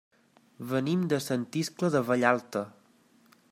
Venim de Sant Iscle de Vallalta.